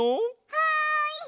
はい！